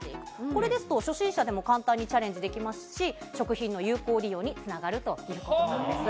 これですと、初心者でも簡単にチャレンジできますし、食品の有効利用につながるということなんです。